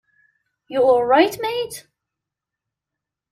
You alright mate?